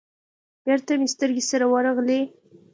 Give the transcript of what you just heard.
بېرته مې سترگې سره ورغلې.